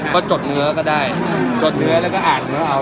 ก็จดเนื้อก็ได้จดเนื้อแล้วก็อ่านเนื้อเอา